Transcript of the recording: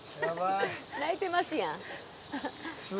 泣いてますやん。